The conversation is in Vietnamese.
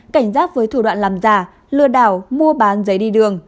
cảnh giác với thủ đoạn làm giả lừa đảo mua bán giấy đi đường